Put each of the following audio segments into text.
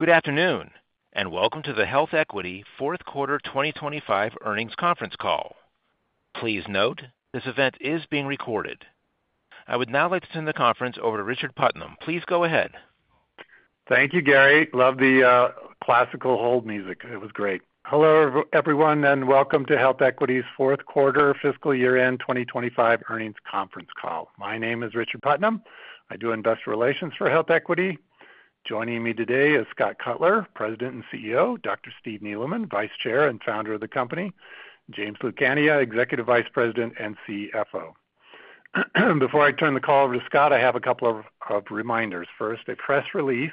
Good afternoon, and welcome to the HealthEquity Q4 2025 Earnings Conference Call. Please note, this event is being recorded. I would now like to turn the conference over to Richard Putnam. Please go ahead. Thank you, Gary. Love the classical hold music. It was great. Hello, everyone, and welcome to HealthEquity's Q4 fiscal year-end 2025 earnings conference call. My name is Richard Putnam. I do investor relations for HealthEquity. Joining me today is Scott Cutler, President and CEO, Dr. Steve Neeleman, Vice Chair and Founder of the company, James Lucania, Executive Vice President and CFO. Before I turn the call over to Scott, I have a couple of reminders. First, a press release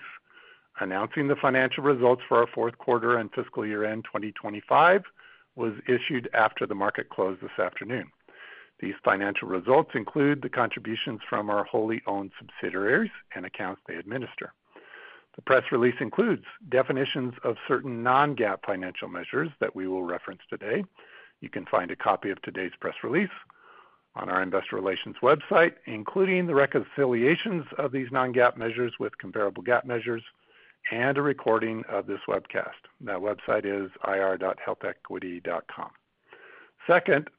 announcing the financial results for our Q4 and fiscal year-end 2025 was issued after the market closed this afternoon. These financial results include the contributions from our wholly owned subsidiaries and accounts they administer. The press release includes definitions of certain non-GAAP financial measures that we will reference today. You can find a copy of today's press release on our investor relations website, including the reconciliations of these non-GAAP measures with comparable GAAP measures and a recording of this webcast. That website is ir.healthequity.com. Second,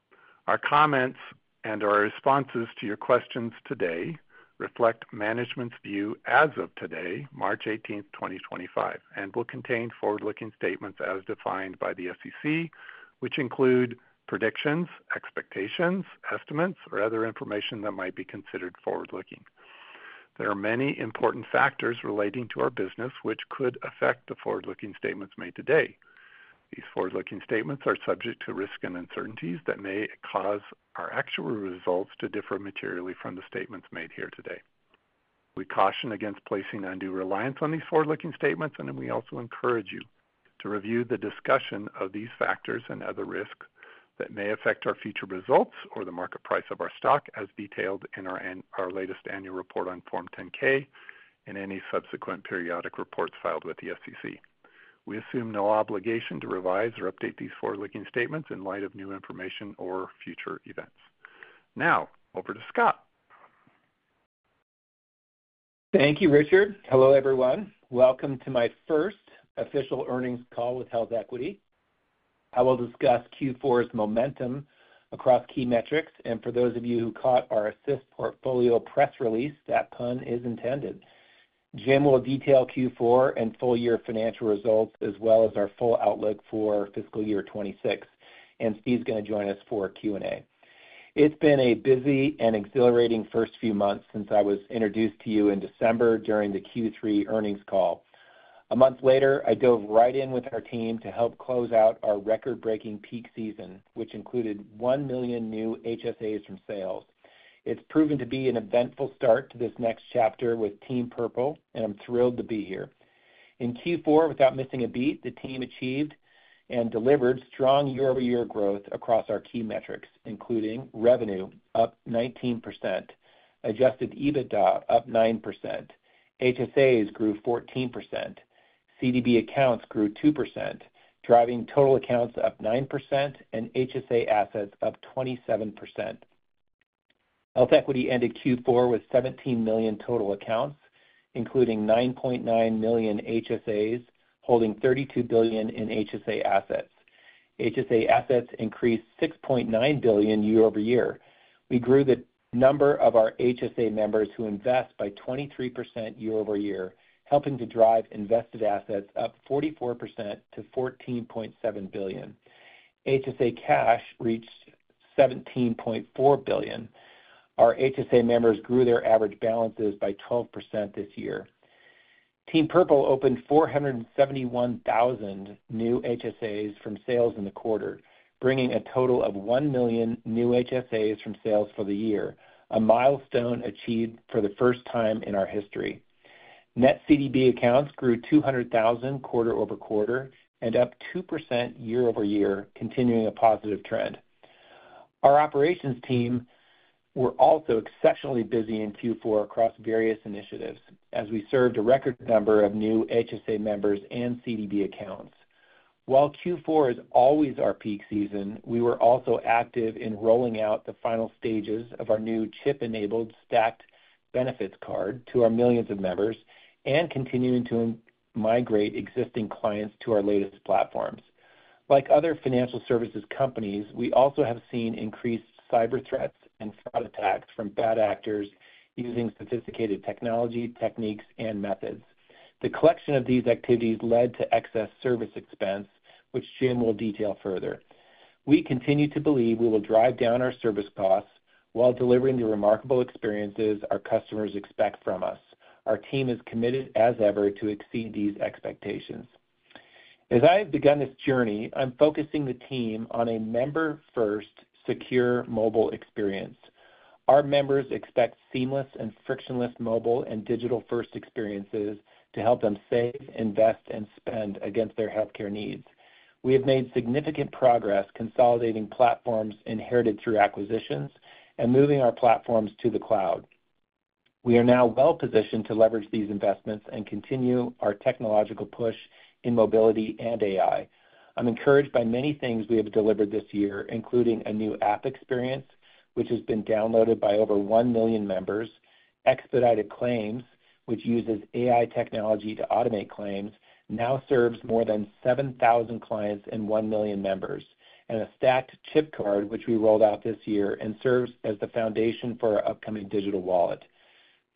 our comments and our responses to your questions today reflect management's view as of today, March 18, 2025, and will contain forward-looking statements as defined by the SEC, which include predictions, expectations, estimates, or other information that might be considered forward-looking. There are many important factors relating to our business which could affect the forward-looking statements made today. These forward-looking statements are subject to risk and uncertainties that may cause our actual results to differ materially from the statements made here today. We caution against placing undue reliance on these forward-looking statements, and we also encourage you to review the discussion of these factors and other risks that may affect our future results or the market price of our stock, as detailed in our and our latest annual report on Form 10-K and any subsequent periodic reports filed with the SEC. We assume no obligation to revise or update these forward-looking statements in light of new information or future events. Now, over to Scott. Thank you, Richard. Hello, everyone. Welcome to my first official earnings call with HealthEquity. I will discuss Q4's momentum across key metrics, and for those of you who caught our Assist portfolio press release, that pun is intended. Jim will detail Q4 and full-year financial results, as well as our full outlook for fiscal year 2026, and Steve's gonna join us for Q&A. It's been a busy and exhilarating first few months since I was introduced to you in December during the Q3 earnings call. A month later, I dove right in with our team to help close out our record-breaking peak season, which included 1 million new HSAs from sales. It's proven to be an eventful start to this next chapter with Team Purple, and I'm thrilled to be here. In Q4, without missing a beat, the team achieved and delivered strong year-over-year growth across our key metrics, including revenue up 19%, adjusted EBITDA up 9%, HSAs grew 14%, CDB accounts grew 2%, driving total accounts up 9%, and HSA assets up 27%. HealthEquity ended Q4 with 17 million total accounts, including 9.9 million HSAs, holding $32 billion in HSA assets. HSA assets increased $6.9 billion year-over-year. We grew the number of our HSA members who invest by 23% year-over-year, helping to drive invested assets up 44% to $14.7 billion. HSA cash reached $17.4 billion. Our HSA members grew their average balances by 12% this year. Team Purple opened 471,000 new HSAs from sales in the quarter, bringing a total of 1 million new HSAs from sales for the year, a milestone achieved for the first time in our history. Net CDB accounts grew 200,000 quarter over quarter and up 2% year-over-year, continuing a positive trend. Our operations team were also exceptionally busy in Q4 across various initiatives as we served a record number of new HSA members and CDB accounts. While Q4 is always our peak season, we were also active in rolling out the final stages of our new chip-enabled stacked benefits card to our millions of members and continuing to migrate existing clients to our latest platforms. Like other financial services companies, we also have seen increased cyber threats and fraud attacks from bad actors using sophisticated technology, techniques, and methods. The collection of these activities led to excess service expense, which Jim will detail further. We continue to believe we will drive down our service costs while delivering the remarkable experiences our customers expect from us. Our team is committed as ever to exceed these expectations. As I have begun this journey, I'm focusing the team on a member-first, secure mobile experience. Our members expect seamless and frictionless mobile and digital-first experiences to help them save, invest, and spend against their healthcare needs. We have made significant progress consolidating platforms inherited through acquisitions and moving our platforms to the cloud. We are now well-positioned to leverage these investments and continue our technological push in mobility and AI. I'm encouraged by many things we have delivered this year, including a new app experience, which has been downloaded by over 1 million members, Expedited Claims, which uses AI technology to automate claims, now serves more than 7,000 clients and 1 million members, and a stacked chip card, which we rolled out this year and serves as the foundation for our upcoming digital wallet.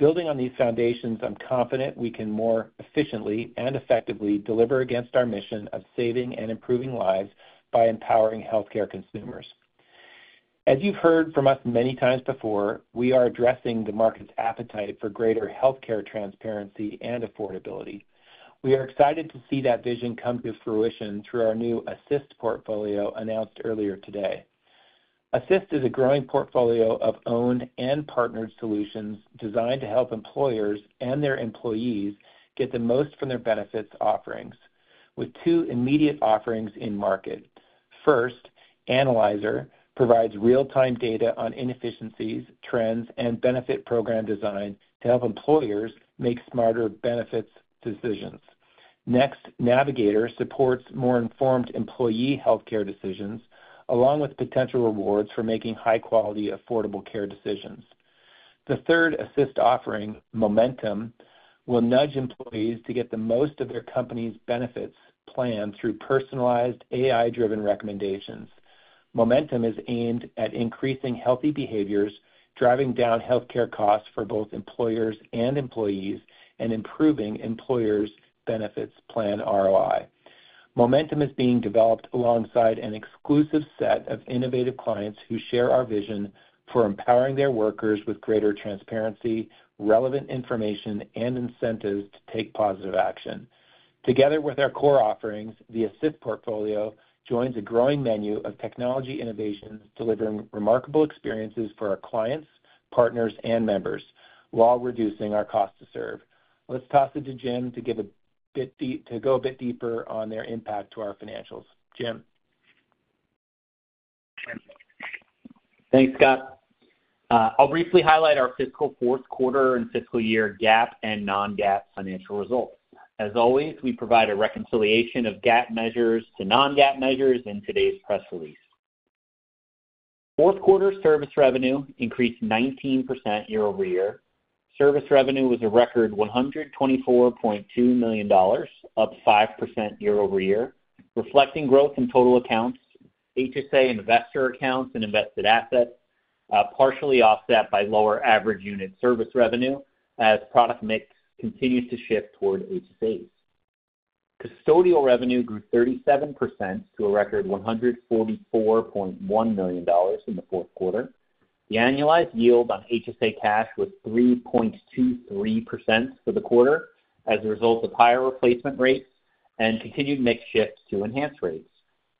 Building on these foundations, I'm confident we can more efficiently and effectively deliver against our mission of saving and improving lives by empowering healthcare consumers. As you've heard from us many times before, we are addressing the market's appetite for greater healthcare transparency and affordability. We are excited to see that vision come to fruition through our new Assist portfolio announced earlier today. Assist is a growing portfolio of owned and partnered solutions designed to help employers and their employees get the most from their benefits offerings, with two immediate offerings in market. First, Analyzer provides real-time data on inefficiencies, trends, and benefit program design to help employers make smarter benefits decisions. Next, Navigator supports more informed employee healthcare decisions, along with potential rewards for making high-quality, affordable care decisions. The third Assist offering, Momentum, will nudge employees to get the most of their company's benefits plan through personalized, AI-driven recommendations. Momentum is aimed at increasing healthy behaviors, driving down healthcare costs for both employers and employees, and improving employers' benefits plan ROI. Momentum is being developed alongside an exclusive set of innovative clients who share our vision for empowering their workers with greater transparency, relevant information, and incentives to take positive action. Together with our core offerings, the Assist portfolio joins a growing menu of technology innovations, delivering remarkable experiences for our clients, partners, and members while reducing our cost to serve. Let's toss it to Jim to go a bit deeper on their impact to our financials. Jim. Thanks, Scott. I'll briefly highlight our fiscal Q4 and fiscal year GAAP and non-GAAP financial results. As always, we provide a reconciliation of GAAP measures to non-GAAP measures in today's press release. Q4 service revenue increased 19% year-over-year. Service revenue was a record $124.2 million, up 5% year-over-year, reflecting growth in total accounts, HSA investor accounts, and invested assets, partially offset by lower average unit service revenue as product mix continues to shift toward HSAs. Custodial revenue grew 37% to a record $144.1 million in the Q4. The annualized yield on HSA cash was 3.23% for the quarter as a result of higher replacement rates and continued mix shifts to enhanced rates.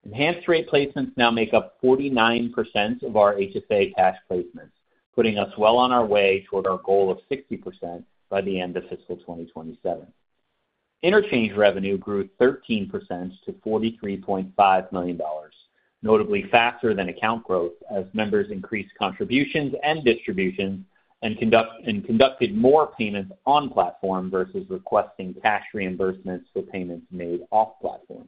Enhanced rate placements now make up 49% of our HSA cash placements, putting us well on our way toward our goal of 60% by the end of fiscal 2027. Interchange revenue grew 13% to $43.5 million, notably faster than account growth as members increased contributions and distributions and conducted more payments on platform versus requesting cash reimbursements for payments made off platform.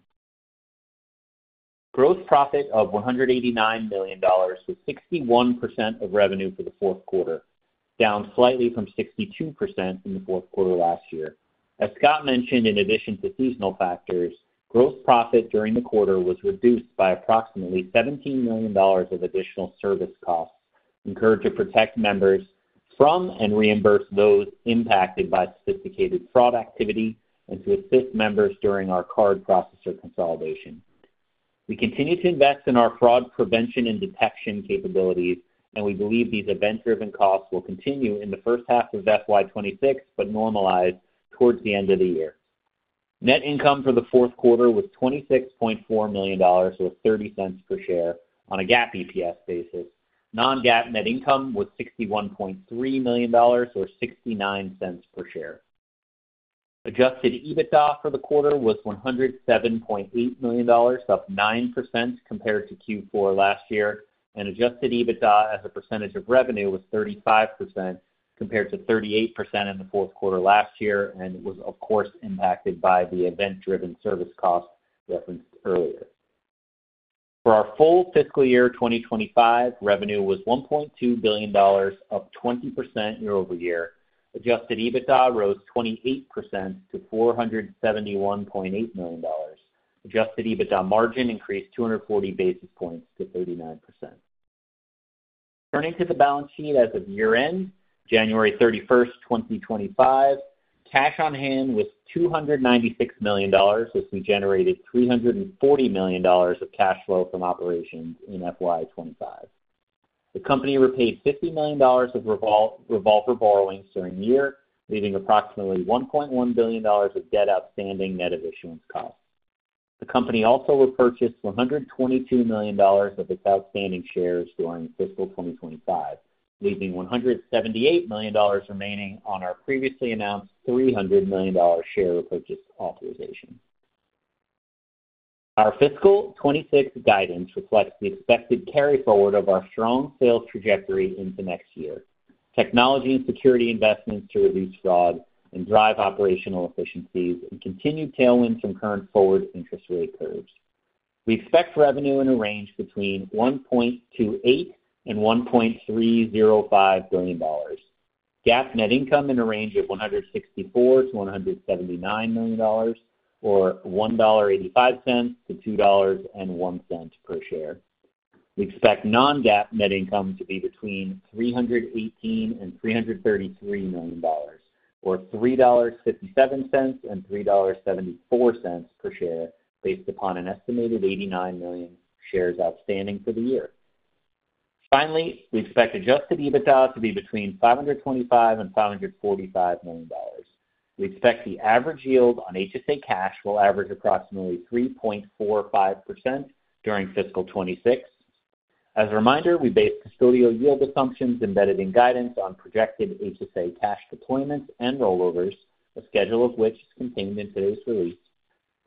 Gross profit of $189 million was 61% of revenue for the Q4, down slightly from 62% in the Q4 last year. As Scott mentioned, in addition to seasonal factors, gross profit during the quarter was reduced by approximately $17 million of additional service costs incurred to protect members from and reimburse those impacted by sophisticated fraud activity and to assist members during our card processor consolidation. We continue to invest in our fraud prevention and detection capabilities, and we believe these event-driven costs will continue in the first half of FY26 but normalize towards the end of the year. Net income for the Q4 was $26.4 million or $0.30 per share on a GAAP EPS basis. Non-GAAP net income was $61.3 million or $0.69 per share. Adjusted EBITDA for the quarter was $107.8 million, up 9% compared to Q4 last year, and adjusted EBITDA as a percentage of revenue was 35% compared to 38% in the Q4 last year, and it was, of course, impacted by the event-driven service costs referenced earlier. For our full fiscal year 2025, revenue was $1.2 billion, up 20% year-over-year. Adjusted EBITDA rose 28% to $471.8 million. Adjusted EBITDA margin increased 240 basis points to 39%. Turning to the balance sheet as of year-end, January 31, 2025, cash on hand was $296 million, as we generated $340 million of cash flow from operations in FY25. The company repaid $50 million of revolver borrowings during the year, leaving approximately $1.1 billion of debt outstanding net of issuance costs. The company also repurchased $122 million of its outstanding shares during fiscal 2025, leaving $178 million remaining on our previously announced $300 million share repurchase authorization. Our fiscal 2026 guidance reflects the expected carry forward of our strong sales trajectory into next year: technology and security investments to reduce fraud and drive operational efficiencies and continued tailwinds from current forward interest rate curves. We expect revenue in a range between $1.28 billion and $1.305 billion. GAAP net income in a range of $164 million to $179 million, or $1.85 to $2.01 per share. We expect non-GAAP net income to be between $318 million and $333 million, or $3.57 and $3.74 per share, based upon an estimated 89 million shares outstanding for the year. Finally, we expect adjusted EBITDA to be between $525 million and $545 million. We expect the average yield on HSA cash will average approximately 3.45% during fiscal 2026. As a reminder, we base custodial yield assumptions embedded in guidance on projected HSA cash deployments and rollovers, a schedule of which is contained in today's release,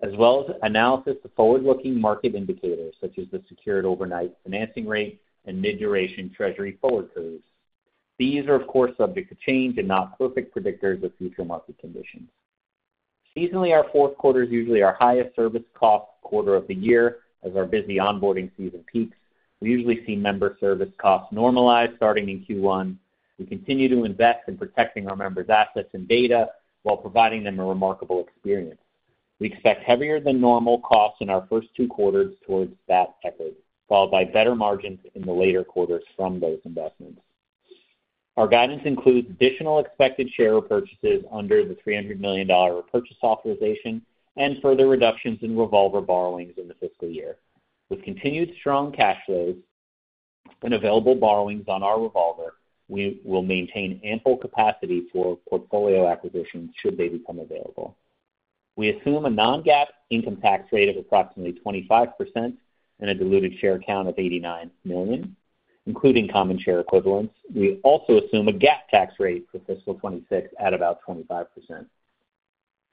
as well as analysis of forward-looking market indicators such as the Secured Overnight Financing Rate and mid-duration Treasury forward curves. These are, of course, subject to change and not perfect predictors of future market conditions. Seasonally, our Q4 is usually our highest service cost quarter of the year. As our busy onboarding season peaks, we usually see member service costs normalize starting in Q1. We continue to invest in protecting our members' assets and data while providing them a remarkable experience. We expect heavier-than-normal costs in our first two quarters towards that effort, followed by better margins in the later quarters from those investments. Our guidance includes additional expected share repurchases under the $300 million repurchase authorization and further reductions in revolver borrowings in the fiscal year. With continued strong cash flows and available borrowings on our revolver, we will maintain ample capacity for portfolio acquisitions should they become available. We assume a non-GAAP income tax rate of approximately 25% and a diluted share count of 89 million, including common share equivalents. We also assume a GAAP tax rate for fiscal 2026 at about 25%.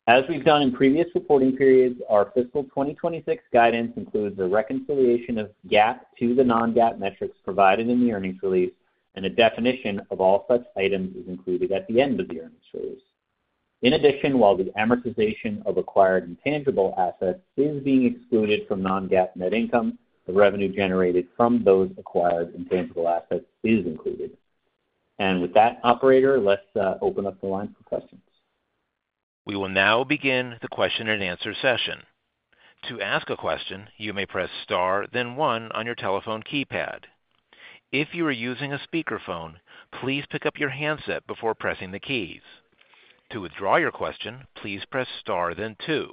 As we've done in previous reporting periods, our fiscal 2026 guidance includes a reconciliation of GAAP to the non-GAAP metrics provided in the earnings release, and a definition of all such items is included at the end of the earnings release. In addition, while the amortization of acquired intangible assets is being excluded from non-GAAP net income, the revenue generated from those acquired intangible assets is included. With that, Operator, let's open up the line for questions. We will now begin the question-and-answer session. To ask a question, you may press star, then one on your telephone keypad. If you are using a speakerphone, please pick up your handset before pressing the keys. To withdraw your question, please press star, then two.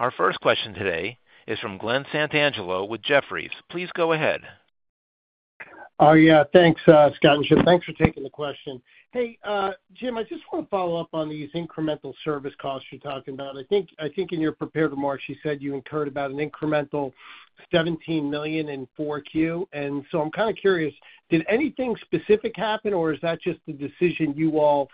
Our first question today is from Glen Santangelo with Jefferies. Please go ahead. Oh, yeah. Thanks, Scott and Jim. Thanks for taking the question. Hey, Jim, I just wanna follow up on these incremental service costs you're talking about. I think in your prepared remarks, you said you incurred about an incremental $17 million in Q4. I'm kinda curious, did anything specific happen, or is that just the decision you all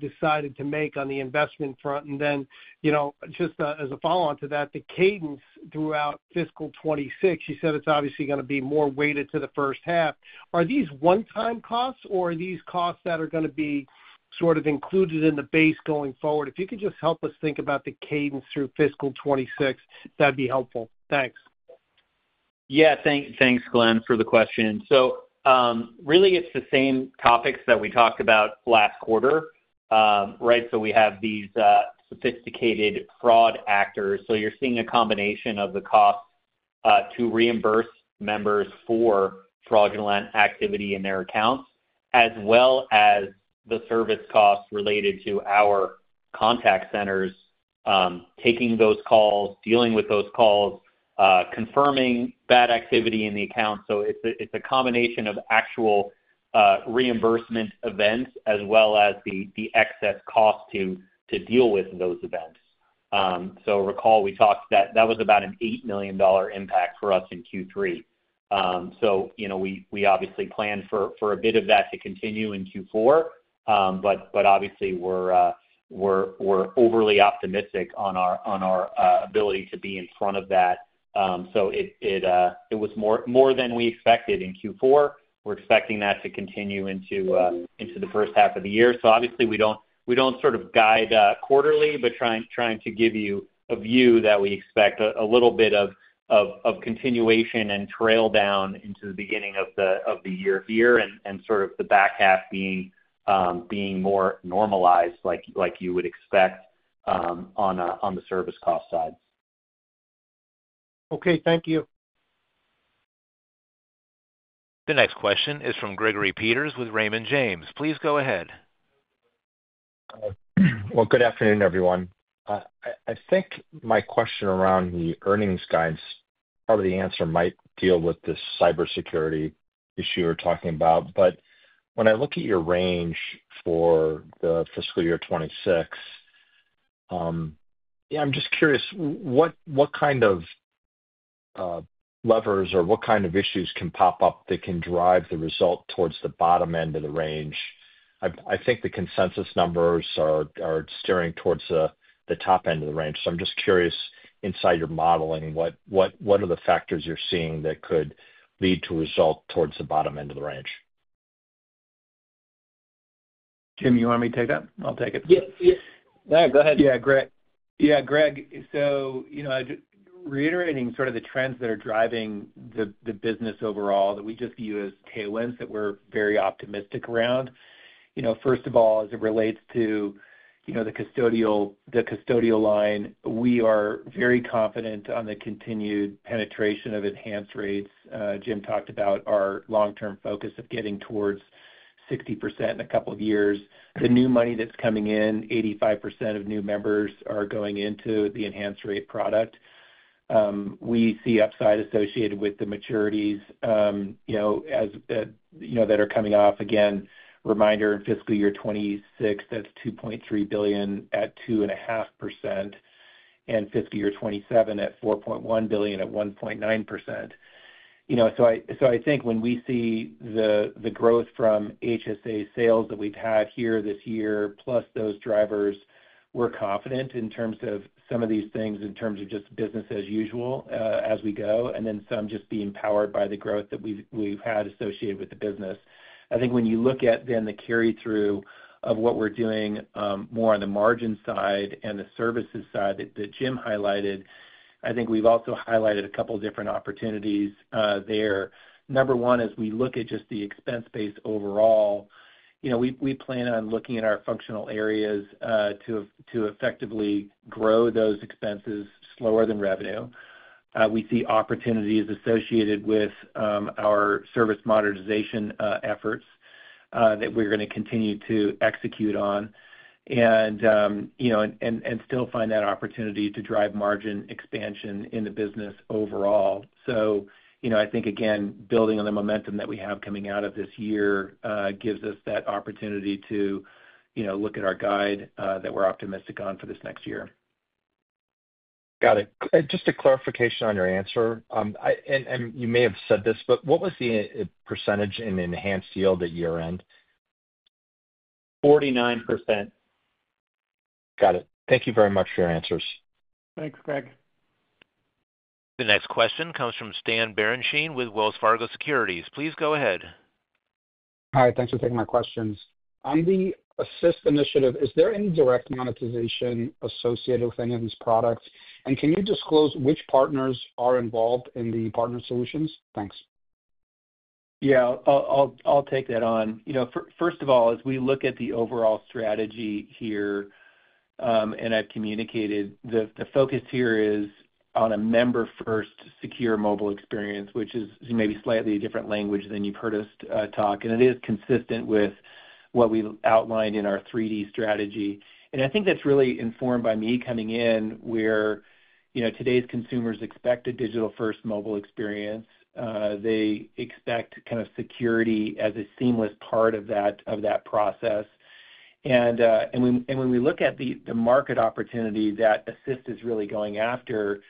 decided to make on the investment front? You know, just as a follow-on to that, the cadence throughout fiscal 2026, you said it's obviously gonna be more weighted to the first half. Are these one-time costs, or are these costs that are gonna be sort of included in the base going forward? If you could just help us think about the cadence through fiscal 2026, that'd be helpful. Thanks. Yeah. Thanks, Glen, for the question. Really, it's the same topics that we talked about last quarter, right? We have these sophisticated fraud actors. You're seeing a combination of the cost to reimburse members for fraudulent activity in their accounts, as well as the service costs related to our contact centers, taking those calls, dealing with those calls, confirming bad activity in the account. It's a combination of actual reimbursement events as well as the excess cost to deal with those events. Recall we talked that was about an $8 million impact for us in Q3. We obviously plan for a bit of that to continue in Q4, but obviously, we're overly optimistic on our ability to be in front of that. It was more than we expected in Q4. We're expecting that to continue into the first half of the year. Obviously, we don't sort of guide quarterly, but trying to give you a view that we expect a little bit of continuation and trail down into the beginning of the year here, and sort of the back half being more normalized like you would expect on the service cost side. Okay. Thank you. The next question is from Gregory Peters with Raymond James. Please go ahead. Good afternoon, everyone. I think my question around the earnings guidance part of the answer might deal with this cybersecurity issue you were talking about. When I look at your range for the fiscal year 2026, I'm just curious, what kind of levers or what kind of issues can pop up that can drive the result towards the bottom end of the range? I think the consensus numbers are steering towards the top end of the range. I'm just curious, inside your modeling, what are the factors you're seeing that could lead to a result towards the bottom end of the range? Jim, you want me to take that? I'll take it. Yeah. Yeah. Yeah. Go ahead. Yeah. Greg. Yeah. Greg, you know, just reiterating sort of the trends that are driving the business overall that we just view as tailwinds that we're very optimistic around. You know, first of all, as it relates to the custodial, the custodial line, we are very confident on the continued penetration of enhanced rates. Jim talked about our long-term focus of getting towards 60% in a couple of years. The new money that's coming in, 85% of new members are going into the enhanced rate product. We see upside associated with the maturities, you know, as you know, that are coming off. Again, reminder, in fiscal year 2026, that's $2.3 billion at 2.5%, and fiscal year 2027 at $4.1 billion at 1.9%. You know, so I think when we see the growth from HSA sales that we've had here this year, plus those drivers, we're confident in terms of some of these things in terms of just business as usual, as we go, and then some just being powered by the growth that we've had associated with the business. I think when you look at then the carry-through of what we're doing, more on the margin side and the services side that Jim highlighted, I think we've also highlighted a couple of different opportunities there. Number one, as we look at just the expense base overall, you know, we plan on looking at our functional areas to effectively grow those expenses slower than revenue. We see opportunities associated with our service modernization efforts that we're gonna continue to execute on and, you know, still find that opportunity to drive margin expansion in the business overall. You know, I think, again, building on the momentum that we have coming out of this year gives us that opportunity to, you know, look at our guide that we're optimistic on for this next year. Got it. Just a clarification on your answer. I, and you may have said this, but what was the percentage in enhanced yield at year-end? 49%. Got it. Thank you very much for your answers. Thanks, Greg. The next question comes from Stan Berenshteyn with Wells Fargo Securities. Please go ahead. Hi. Thanks for taking my questions. On the Assist initiative, is there any direct monetization associated with any of these products? Can you disclose which partners are involved in the partner solutions? Thanks. Yeah. I'll take that on. You know, first of all, as we look at the overall strategy here, and I've communicated, the focus here is on a member-first secure mobile experience, which is maybe slightly a different language than you've heard us talk. It is consistent with what we've outlined in our 3D strategy. I think that's really informed by me coming in where, you know, today's consumers expect a digital-first mobile experience. They expect kind of security as a seamless part of that process. When we look at the market opportunity that Assist is really going after,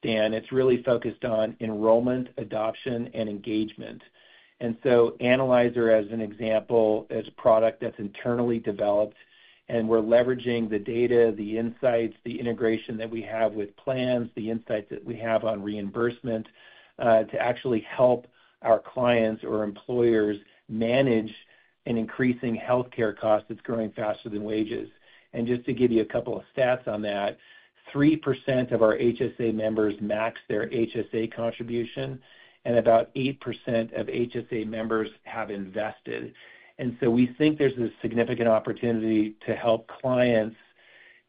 Stan, it's really focused on enrollment, adoption, and engagement. Analyzer, as an example, is a product that's internally developed, and we're leveraging the data, the insights, the integration that we have with plans, the insights that we have on reimbursement, to actually help our clients or employers manage an increasing healthcare cost that's growing faster than wages. Just to give you a couple of stats on that, 3% of our HSA members max their HSA contribution, and about 8% of HSA members have invested. We think there's a significant opportunity to help clients,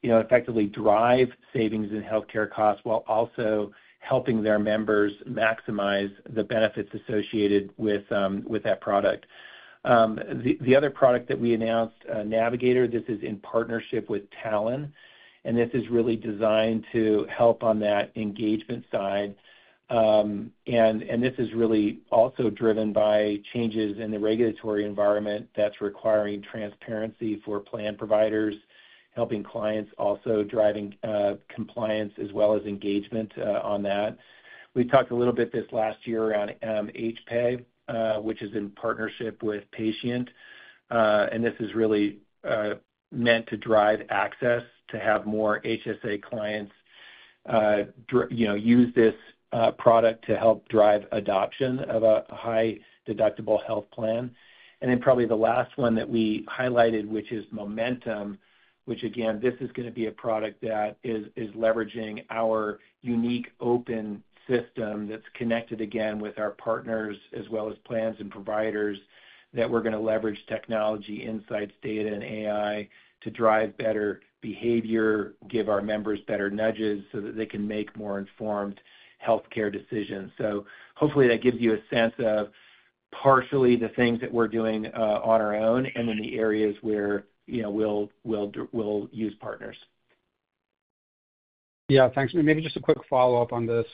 you know, effectively drive savings in healthcare costs while also helping their members maximize the benefits associated with that product. The other product that we announced, Navigator, this is in partnership with Talon, and this is really designed to help on that engagement side. And this is really also driven by changes in the regulatory environment that's requiring transparency for plan providers, helping clients also driving compliance as well as engagement on that. We talked a little bit this last year on HPA, which is in partnership with Paytient. and this is really meant to drive access to have more HSA clients, d you know, use this product to help drive adoption of a high-deductible health plan. Probably the last one that we highlighted, which is Momentum, which, again, this is gonna be a product that is leveraging our unique open system that's connected again with our partners as well as plans and providers that we're gonna leverage technology, insights, data, and AI to drive better behavior, give our members better nudges so that they can make more informed healthcare decisions. Hopefully, that gives you a sense of partially the things that we're doing on our own and then the areas where, you know, we'll use partners. Yeah. Thanks. Maybe just a quick follow-up on this.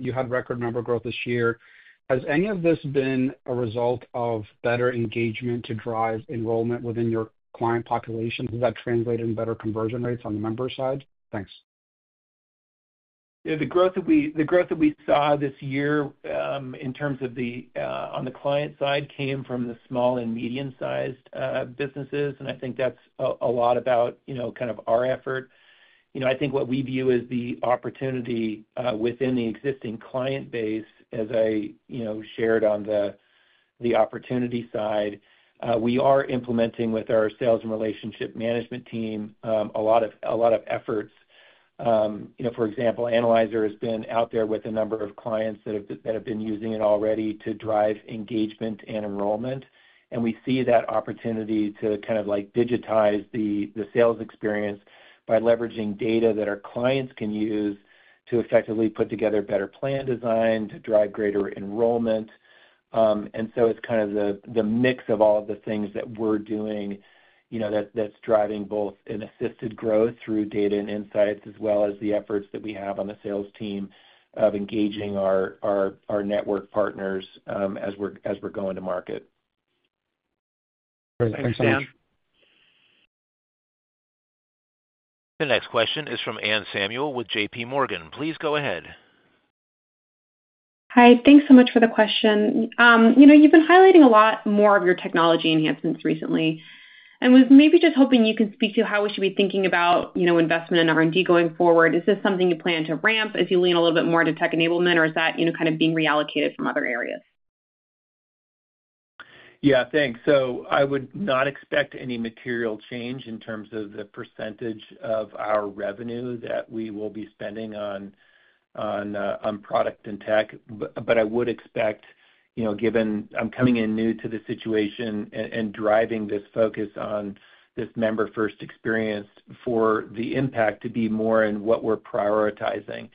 You had record member growth this year. Has any of this been a result of better engagement to drive enrollment within your client population? Does that translate in better conversion rates on the member side? Thanks. Yeah. The growth that we saw this year, in terms of the, on the client side came from the small and medium-sized businesses. And I think that's a lot about, you know, kind of our effort. You know, I think what we view as the opportunity, within the existing client base, as I, you know, shared on the, the opportunity side, we are implementing with our sales and relationship management team, a lot of efforts. You know, for example, Analyzer has been out there with a number of clients that have, that have been using it already to drive engagement and enrollment. And we see that opportunity to kind of like digitize the sales experience by leveraging data that our clients can use to effectively put together better plan design to drive greater enrollment. It's kind of the mix of all of the things that we're doing, you know, that's driving both an assisted growth through data and insights as well as the efforts that we have on the sales team of engaging our network partners, as we're going to market. Great. Thanks so much. Thanks, Dan. The next question is from Anne Samuel with JP Morgan. Please go ahead. Hi. Thanks so much for the question. You know, you've been highlighting a lot more of your technology enhancements recently. I was maybe just hoping you can speak to how we should be thinking about, you know, investment in R&D going forward. Is this something you plan to ramp as you lean a little bit more into tech enablement, or is that, you know, kind of being reallocated from other areas? Yeah. Thanks. I would not expect any material change in terms of the percentage of our revenue that we will be spending on product and tech. I would expect, you know, given I'm coming in new to the situation and driving this focus on this member-first experience, for the impact to be more in what we're prioritizing.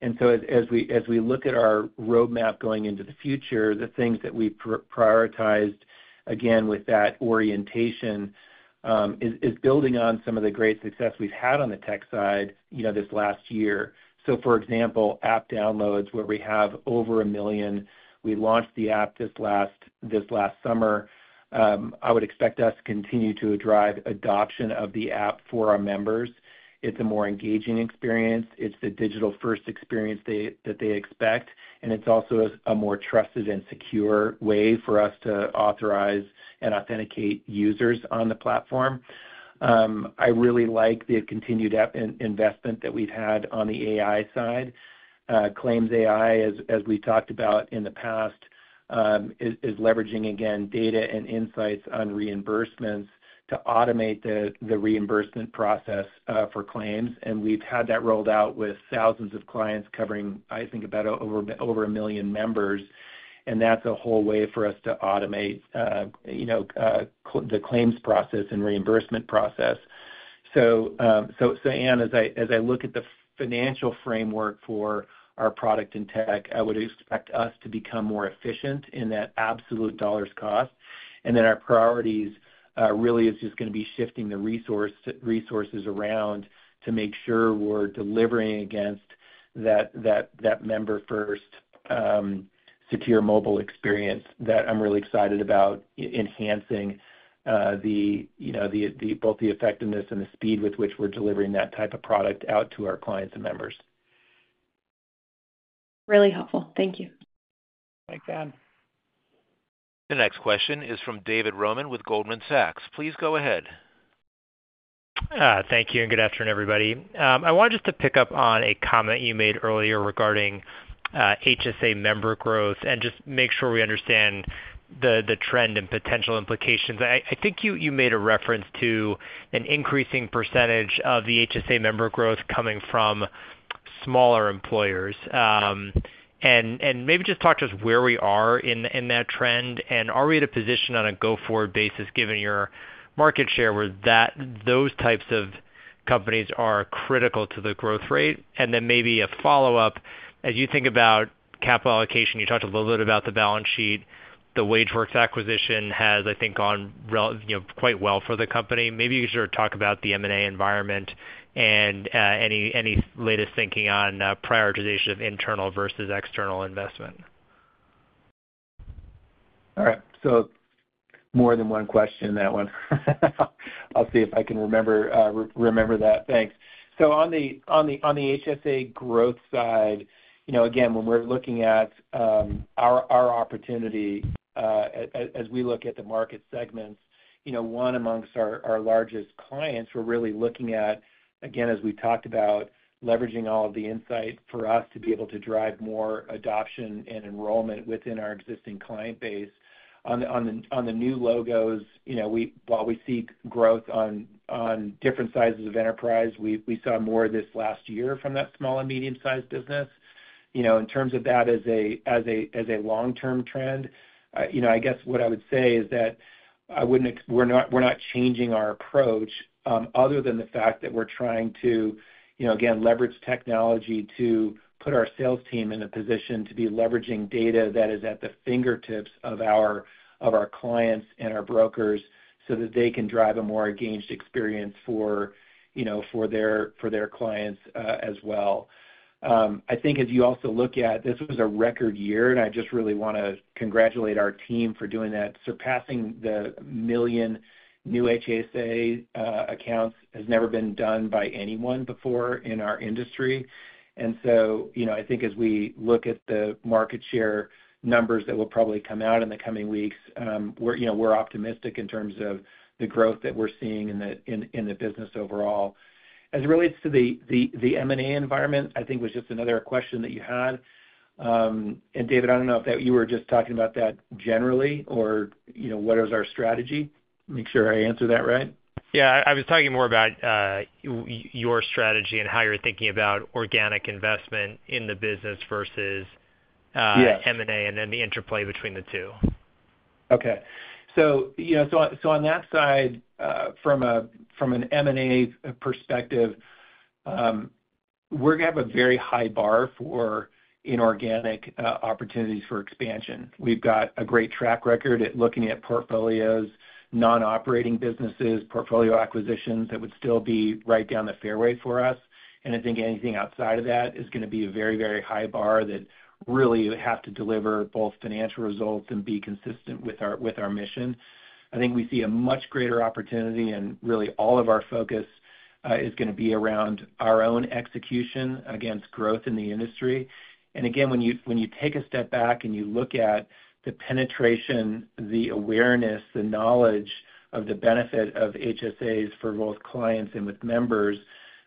As we look at our roadmap going into the future, the things that we've prioritized, again, with that orientation, is building on some of the great success we've had on the tech side this last year. For example, app downloads where we have over a million. We launched the app this last summer. I would expect us to continue to drive adoption of the app for our members. It's a more engaging experience. It's the digital-first experience that they expect. It's also a more trusted and secure way for us to authorize and authenticate users on the platform. I really like the continued investment that we've had on the AI side. Claims AI, as we talked about in the past, is leveraging, again, data and insights on reimbursements to automate the reimbursement process for claims. We've had that rolled out with thousands of clients covering, I think, over a million members. That's a whole way for us to automate, you know, the claims process and reimbursement process. Ann, as I look at the financial framework for our product and tech, I would expect us to become more efficient in that absolute dollars cost. Our priorities really is just gonna be shifting the resources around to make sure we're delivering against that, that member-first, secure mobile experience that I'm really excited about enhancing, the, you know, both the effectiveness and the speed with which we're delivering that type of product out to our clients and members. Really helpful. Thank you. Thanks, Anne. The next question is from David Roman with Goldman Sachs. Please go ahead. Thank you and good afternoon, everybody. I wanted just to pick up on a comment you made earlier regarding HSA member growth and just make sure we understand the trend and potential implications. I think you made a reference to an increasing percentage of the HSA member growth coming from smaller employers, and maybe just talk to us where we are in that trend. Are we at a position on a go-forward basis given your market share where those types of companies are critical to the growth rate? Maybe a follow-up, as you think about capital allocation, you talked a little bit about the balance sheet. The WageWorks acquisition has, I think, gone really, you know, quite well for the company. Maybe you could sort of talk about the M&A environment and any latest thinking on prioritization of internal versus external investment. All right. More than one question in that one. I'll see if I can remember, re-remember that. Thanks. On the HSA growth side, you know, again, when we're looking at our opportunity, as we look at the market segments, you know, one amongst our largest clients, we're really looking at, again, as we talked about, leveraging all of the insight for us to be able to drive more adoption and enrollment within our existing client base. On the new logos, you know, while we see growth on different sizes of enterprise, we saw more this last year from that small and medium-sized business. You know, in terms of that as a, as a long-term trend, you know, I guess what I would say is that I wouldn't ex—we're not, we're not changing our approach, other than the fact that we're trying to, you know, again, leverage technology to put our sales team in a position to be leveraging data that is at the fingertips of our, of our clients and our brokers so that they can drive a more engaged experience for, you know, for their, for their clients, as well. I think as you also look at, this was a record year, and I just really wanna congratulate our team for doing that. Surpassing the million new HSA accounts has never been done by anyone before in our industry. You know, I think as we look at the market share numbers that will probably come out in the coming weeks, we're, you know, we're optimistic in terms of the growth that we're seeing in the business overall. As it relates to the M&A environment, I think was just another question that you had. David, I don't know if you were just talking about that generally or, you know, what is our strategy? Make sure I answered that right. Yeah. I was talking more about your strategy and how you're thinking about organic investment in the business versus, Yeah. M&A and then the interplay between the two. Okay. You know, on that side, from an M&A perspective, we're gonna have a very high bar for inorganic opportunities for expansion. We've got a great track record at looking at portfolios, non-operating businesses, portfolio acquisitions that would still be right down the fairway for us. I think anything outside of that is gonna be a very, very high bar that really has to deliver both financial results and be consistent with our mission. I think we see a much greater opportunity, and really all of our focus, is gonna be around our own execution against growth in the industry. Again, when you take a step back and you look at the penetration, the awareness, the knowledge of the benefit of HSAs for both clients and with members,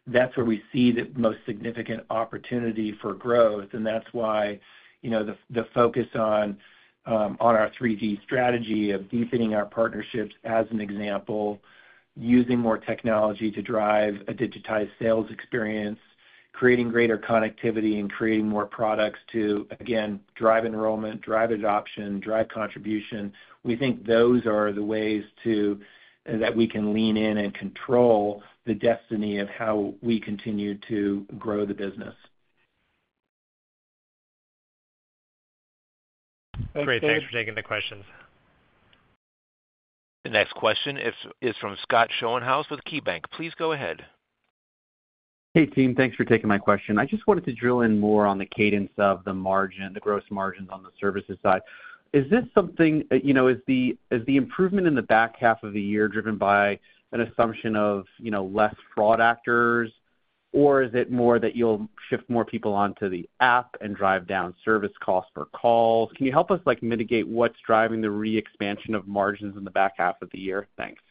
that's where we see the most significant opportunity for growth. You know, the focus on our 3D strategy of deepening our partnerships as an example, using more technology to drive a digitized sales experience, creating greater connectivity, and creating more products to, again, drive enrollment, drive adoption, drive contribution. We think those are the ways that we can lean in and control the destiny of how we continue to grow the business. Great. Thanks for taking the questions. The next question is from Scott Schoenhaus with KeyBank. Please go ahead. Hey, team. Thanks for taking my question. I just wanted to drill in more on the cadence of the margin, the gross margins on the services side. Is this something, you know, is the improvement in the back half of the year driven by an assumption of, you know, less fraud actors, or is it more that you'll shift more people onto the app and drive down service costs for calls? Can you help us, like, mitigate what's driving the re-expansion of margins in the back half of the year? Thanks.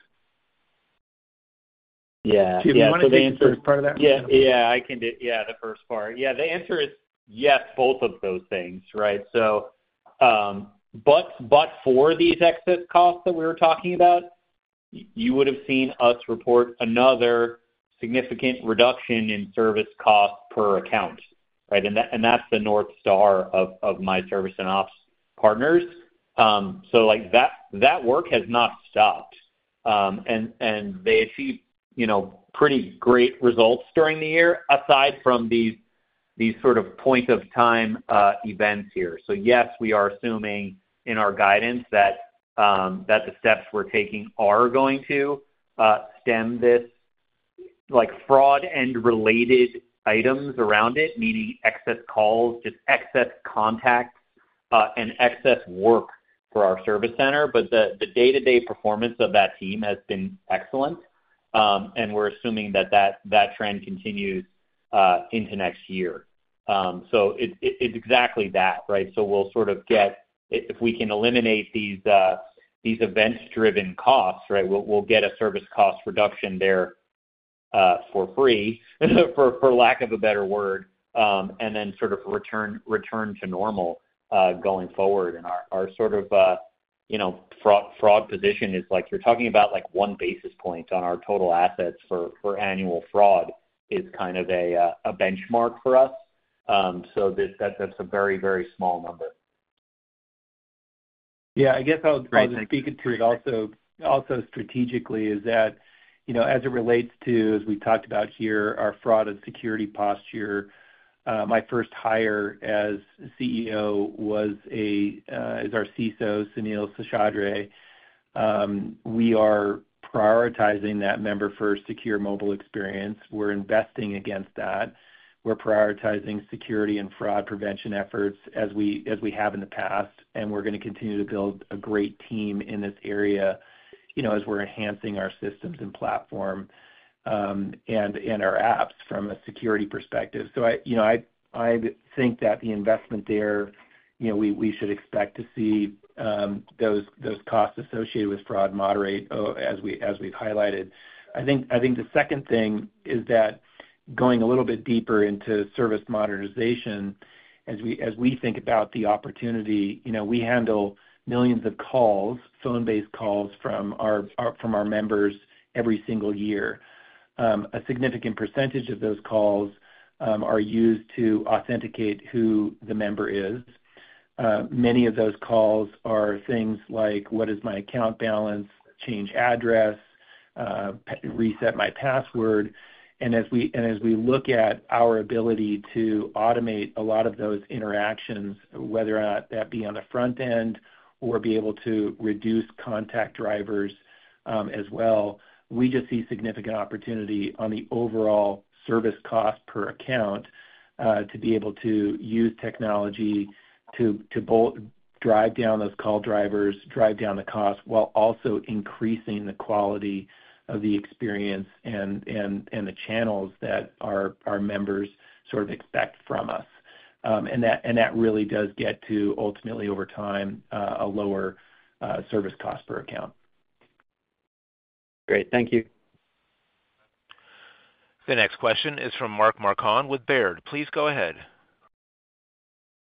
Yeah. Yeah. The answer is part of that? Yeah. Yeah. I can do yeah. The first part. Yeah. The answer is yes, both of those things, right? So, but for these excess costs that we were talking about, you would have seen us report another significant reduction in service costs per account, right? And that, and that's the north star of, of my service and ops partners. Like that, that work has not stopped. And they achieved, you know, pretty great results during the year aside from these, these sort of point-of-time, events here. Yes, we are assuming in our guidance that the steps we're taking are going to stem this, like, fraud and related items around it, meaning excess calls, just excess contacts, and excess work for our service center. The day-to-day performance of that team has been excellent. And we're assuming that trend continues into next year. It, it, it's exactly that, right? We'll sort of get if, if we can eliminate these, these event-driven costs, right, we'll, we'll get a service cost reduction there, for free, for, for lack of a better word, and then sort of return, return to normal, going forward. And our, our sort of, you know, fraud position is like you're talking about like one basis point on our total assets for annual fraud is kind of a, a benchmark for us. This, that, that's a very, very small number. Yeah. I guess I'll, I'll speak to it also, also strategically is that, you know, as it relates to, as we talked about here, our fraud and security posture, my first hire as CEO was a, is our CISO, Sunil Seshadri. We are prioritizing that member-first secure mobile experience. We're investing against that. We're prioritizing security and fraud prevention efforts as we have in the past. We're gonna continue to build a great team in this area, you know, as we're enhancing our systems and platform, and our apps from a security perspective. I, you know, I think that the investment there, you know, we should expect to see those costs associated with fraud moderate, as we've highlighted. I think the second thing is that going a little bit deeper into service modernization, as we think about the opportunity, you know, we handle millions of calls, phone-based calls from our members every single year. A significant percentage of those calls are used to authenticate who the member is. Many of those calls are things like, what is my account balance, change address, reset my password. As we look at our ability to automate a lot of those interactions, whether or not that be on the front end or be able to reduce contact drivers as well, we just see significant opportunity on the overall service cost per account, to be able to use technology to drive down those call drivers, drive down the cost while also increasing the quality of the experience and the channels that our members sort of expect from us. That really does get to ultimately, over time, a lower service cost per account. Great. Thank you. The next question is from Mark Marcon with Baird. Please go ahead.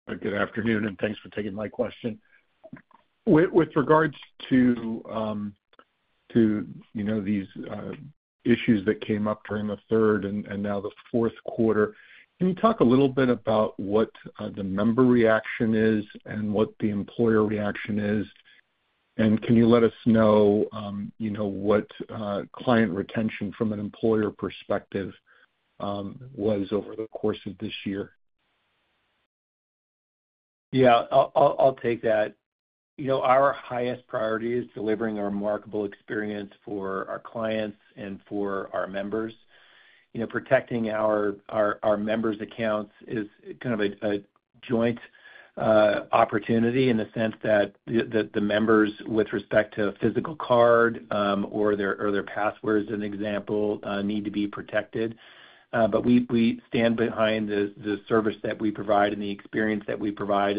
Good afternoon, and thanks for taking my question. With regards to, you know, these issues that came up during the third and now the fourth quarter, can you talk a little bit about what the member reaction is and what the employer reaction is? Can you let us know, you know, what client retention from an employer perspective was over the course of this year? Yeah. I'll take that. You know, our highest priority is delivering a remarkable experience for our clients and for our members. You know, protecting our members' accounts is kind of a joint opportunity in the sense that the members, with respect to a physical card or their passwords as an example, need to be protected. We stand behind the service that we provide and the experience that we provide.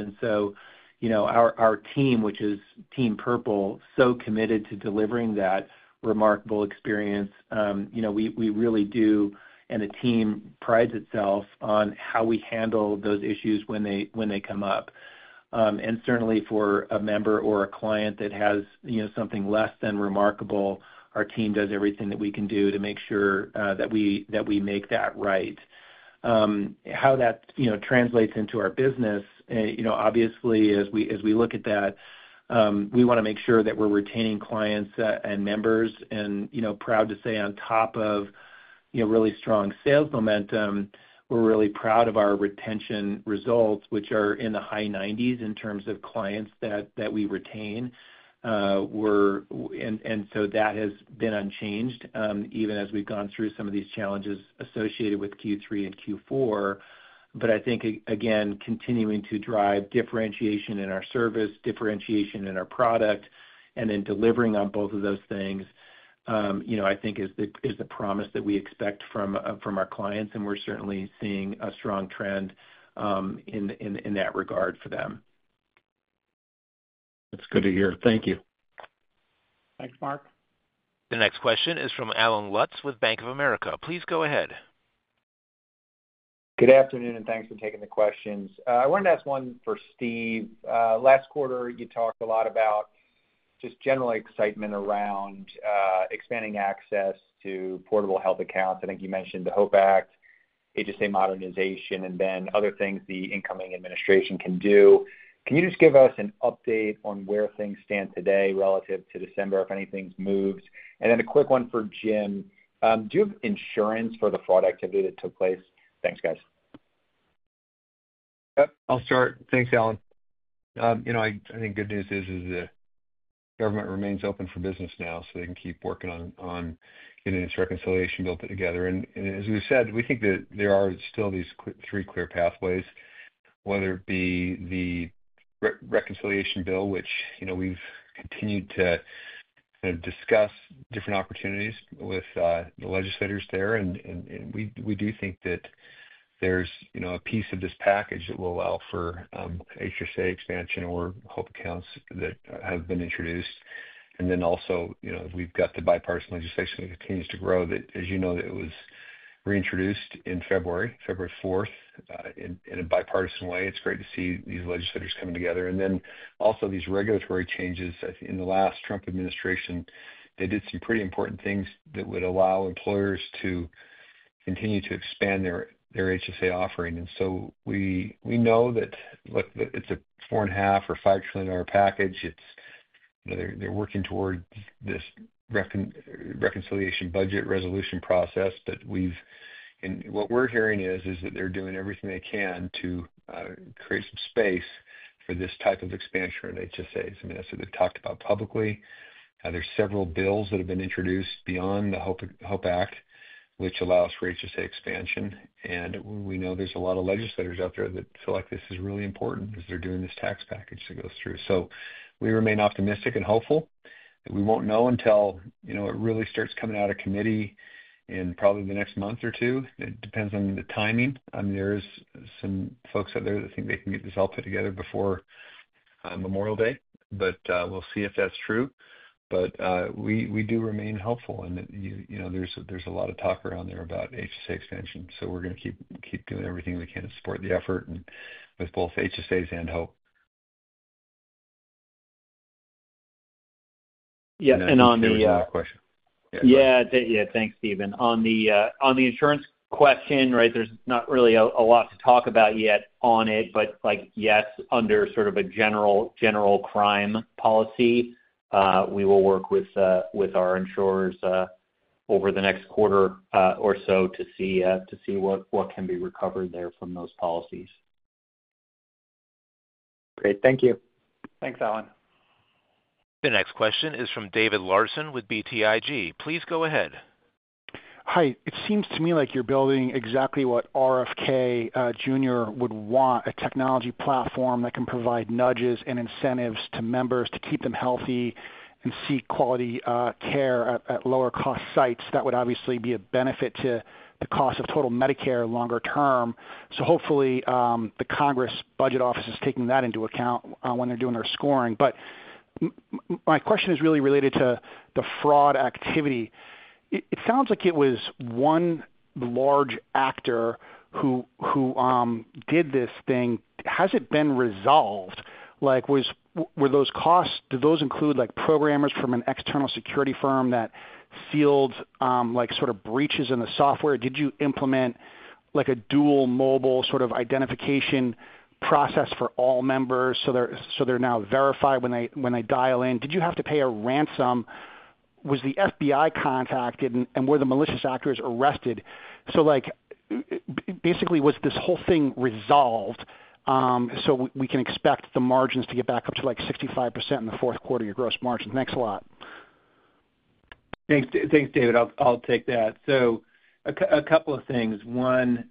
You know, our team, which is Team Purple, is so committed to delivering that remarkable experience. You know, we really do, and the team prides itself on how we handle those issues when they come up. And certainly for a member or a client that has, you know, something less than remarkable, our team does everything that we can do to make sure that we make that right. How that, you know, translates into our business, you know, obviously as we look at that, we want to make sure that we're retaining clients and members. You know, proud to say on top of, you know, really strong sales momentum, we're really proud of our retention results, which are in the high 90% in terms of clients that we retain. We're, and so that has been unchanged, even as we've gone through some of these challenges associated with Q3 and Q4. I think, again, continuing to drive differentiation in our service, differentiation in our product, and then delivering on both of those things, you know, I think is the promise that we expect from our clients. We are certainly seeing a strong trend in that regard for them. That's good to hear. Thank you. Thanks, Mark. The next question is from Allen Lutz with Bank of America. Please go ahead. Good afternoon, and thanks for taking the questions. I wanted to ask one for Steve. Last quarter, you talked a lot about just general excitement around, expanding access to portable health accounts. I think you mentioned the HOPE Act, HSA modernization, and then other things the incoming administration can do. Can you just give us an update on where things stand today relative to December, if anything's moved? And then a quick one for Jim. Do you have insurance for the fraud activity that took place? Thanks, guys. Yep. I'll start. Thanks, Alan. You know, I think good news is, is the government remains open for business now, so they can keep working on getting this reconciliation bill put together. As we said, we think that there are still these three clear pathways, whether it be the re-reconciliation bill, which, you know, we've continued to kind of discuss different opportunities with the legislators there. We do think that there's, you know, a piece of this package that will allow for HSA expansion or HOPE accounts that have been introduced. Also, you know, we've got the bipartisan legislation that continues to grow that, as you know, it was reintroduced in February, February 4th, in a bipartisan way. It's great to see these legislators coming together. These regulatory changes, I think in the last Trump administration, they did some pretty important things that would allow employers to continue to expand their HSA offering. We know that, look, that it's a $4.5 trillion-$5 trillion package. It's, you know, they're working towards this reconciliation budget resolution process, but what we're hearing is that they're doing everything they can to create some space for this type of expansion in HSAs. I mean, that's what they've talked about publicly. There are several bills that have been introduced beyond the HOPE Act, which allows for HSA expansion. We know there's a lot of legislators out there that feel like this is really important as they're doing this tax package that goes through. We remain optimistic and hopeful. We won't know until, you know, it really starts coming out of committee in probably the next month or two. It depends on the timing. I mean, there are some folks out there that think they can get this all put together before Memorial Day, but we'll see if that's true. We do remain hopeful and that you, you know, there's a lot of talk around there about HSA expansion. We're gonna keep doing everything we can to support the effort and with both HSAs and HOPE. Yeah. On the, Yeah. Thanks, Steven. On the insurance question, right, there's not really a lot to talk about yet on it, but like yes, under sort of a general crime policy, we will work with our insurers over the next quarter or so to see what can be recovered there from those policies. Great. Thank you. Thanks, Alan. The next question is from David Larsen with BTIG. Please go ahead. Hi. It seems to me like you're building exactly what RFK, Jr. would want, a technology platform that can provide nudges and incentives to members to keep them healthy and seek quality, care at lower-cost sites. That would obviously be a benefit to the cost of total Medicare longer term. Hopefully, the Congress Budget Office is taking that into account when they're doing their scoring. My question is really related to the fraud activity. It sounds like it was one large actor who did this thing. Has it been resolved? Like, were those costs, did those include like programmers from an external security firm that sealed, like sort of breaches in the software? Did you implement like a dual mobile sort of identification process for all members so they're now verified when they dial in? Did you have to pay a ransom? Was the FBI contacted, and were the malicious actors arrested? Basically, was this whole thing resolved, so we can expect the margins to get back up to like 65% in the fourth quarter of your gross margins? Thanks a lot. Thanks. Thanks, David. I'll take that. A couple of things. One,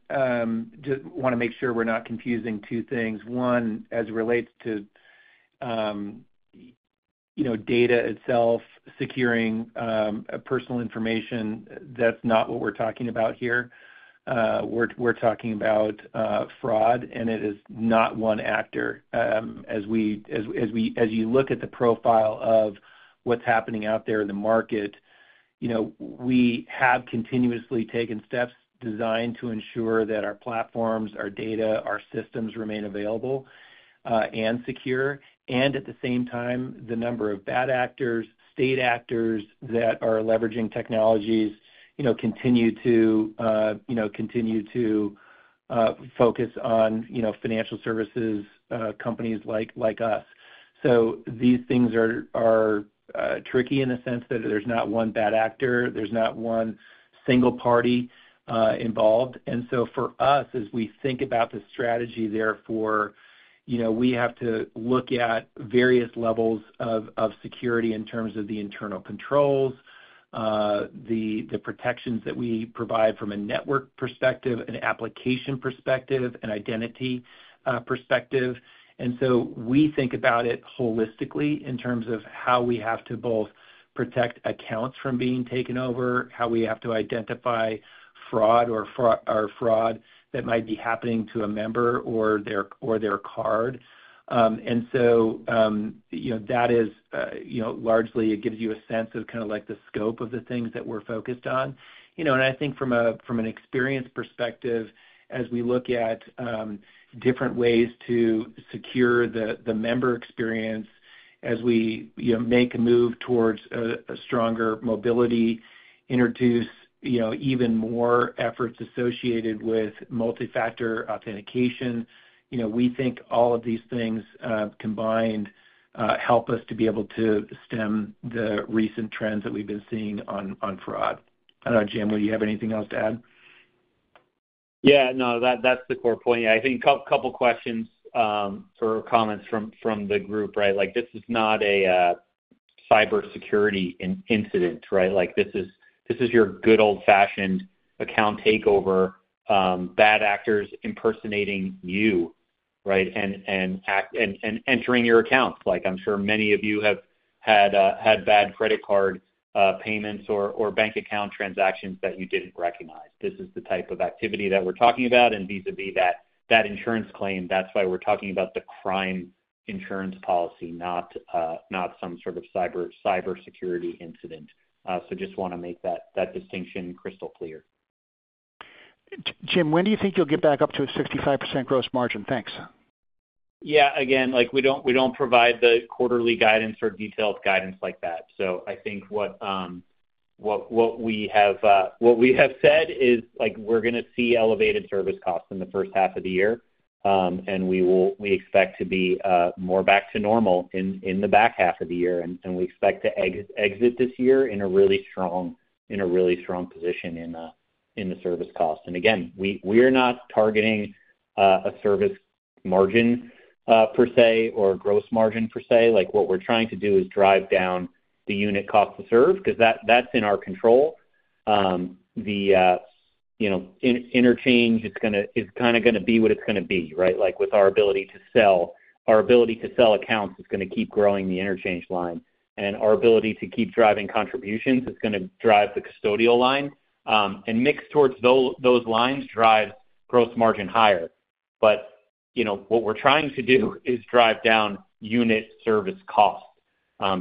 just wanna make sure we're not confusing two things. One, as it relates to, you know, data itself, securing personal information, that's not what we're talking about here. We're talking about fraud, and it is not one actor. As you look at the profile of what's happening out there in the market, you know, we have continuously taken steps designed to ensure that our platforms, our data, our systems remain available and secure. At the same time, the number of bad actors, state actors that are leveraging technologies, you know, continue to focus on, you know, financial services, companies like us. These things are tricky in the sense that there's not one bad actor, there's not one single party involved. For us, as we think about the strategy therefore, you know, we have to look at various levels of security in terms of the internal controls, the protections that we provide from a network perspective, an application perspective, an identity perspective. We think about it holistically in terms of how we have to both protect accounts from being taken over, how we have to identify fraud or fraud that might be happening to a member or their card. You know, that is, you know, largely it gives you a sense of kind of like the scope of the things that we're focused on. You know, and I think from an experience perspective, as we look at different ways to secure the member experience as we, you know, make a move towards a stronger mobility, introduce, you know, even more efforts associated with multi-factor authentication, you know, we think all of these things, combined, help us to be able to stem the recent trends that we've been seeing on fraud. I don't know, Jim, would you have anything else to add? Yeah. No, that's the core point. I think couple questions, or comments from the group, right? Like, this is not a cybersecurity in-incident, right? Like, this is your good old-fashioned account takeover, bad actors impersonating you, right, and act, and entering your accounts. Like, I'm sure many of you have had bad credit card payments or bank account transactions that you didn't recognize. This is the type of activity that we're talking about and vis-à-vis that insurance claim. That's why we're talking about the crime insurance policy, not some sort of cybersecurity incident. I just wanna make that distinction crystal clear. Jim, when do you think you'll get back up to a 65% gross margin? Thanks. Yeah. Again, like, we don't, we don't provide the quarterly guidance or detailed guidance like that. I think what we have said is, like, we're gonna see elevated service costs in the first half of the year. We expect to be more back to normal in the back half of the year. We expect to exit this year in a really strong, in a really strong position in the service cost. Again, we are not targeting a service margin per se or gross margin per se. Like, what we're trying to do is drive down the unit cost to serve 'cause that, that's in our control. The, you know, interchange is gonna, is kinda gonna be what it's gonna be, right? Like, with our ability to sell, our ability to sell accounts is gonna keep growing the interchange line. Our ability to keep driving contributions is gonna drive the custodial line. And mixed towards those lines drives gross margin higher. But, you know, what we're trying to do is drive down unit service cost,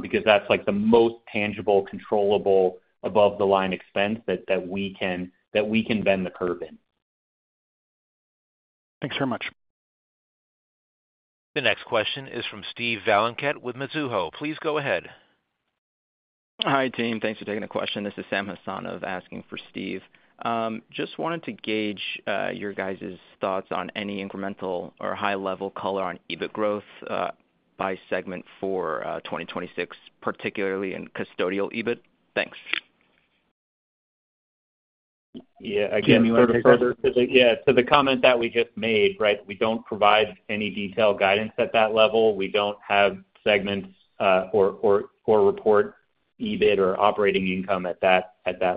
because that's like the most tangible, controllable above-the-line expense that, that we can, that we can bend the curve in. Thanks very much. The next question is from Steve Valiquette with Mizuho. Please go ahead. Hi, team. Thanks for taking the question. This is Sam Hasanov asking for Steve. Just wanted to gauge your guys' thoughts on any incremental or high-level color on EBIT growth, by segment for 2026, particularly in custodial EBIT. Thanks. Yeah. Again, we wanted to further to the, yeah, to the comment that we just made, right? We don't provide any detailed guidance at that level. We don't have segments, or report EBIT or operating income at that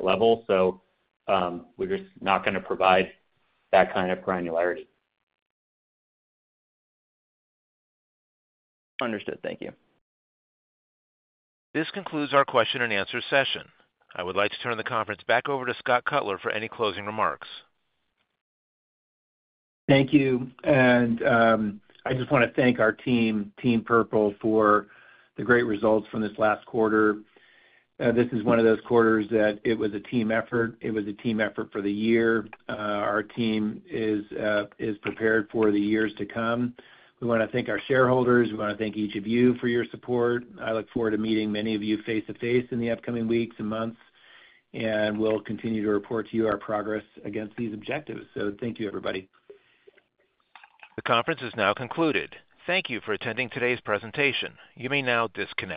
level. So, we're just not gonna provide that kind of granularity. Understood. Thank you. This concludes our question and answer session. I would like to turn the conference back over to Scott Cutler for any closing remarks. Thank you. I just wanna thank our team, Team Purple, for the great results from this last quarter. This is one of those quarters that it was a team effort. It was a team effort for the year. Our team is prepared for the years to come. We wanna thank our shareholders. We wanna thank each of you for your support. I look forward to meeting many of you face-to-face in the upcoming weeks and months, and we'll continue to report to you our progress against these objectives. Thank you, everybody. The conference is now concluded. Thank you for attending today's presentation. You may now disconnect.